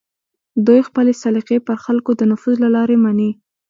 دوی خپلې سلیقې پر خلکو د نفوذ له لارې مني